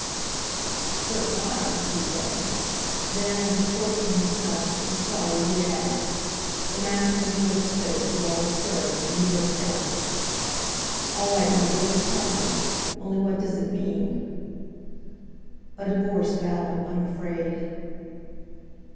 "But why?" he said. Then, as a sportsman himself, was sorry he had asked. The mask of his mother's face was all disturbed; and he burst out: "All right, Mother, don't tell me! Only, what does it mean?" "A divorce, Val, I'm afraid."